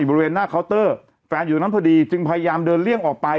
บริเวณหน้าเคาน์เตอร์แฟนอยู่ตรงนั้นพอดีจึงพยายามเดินเลี่ยงออกไป